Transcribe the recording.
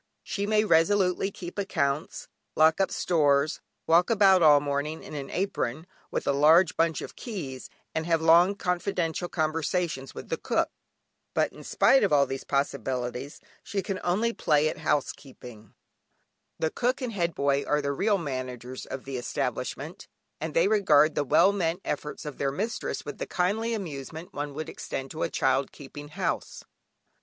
She may resolutely keep accounts, lock up stores, walk about all morning in an apron, with a large bunch of keys, and have long confidential conversations with the cook; but in spite of all these possibilities she can only play at housekeeping; the Cook and Head Boy are the real managers of the establishment, and they regard the well meant efforts of their mistress with the kindly amusement one would extend to a child "keeping house."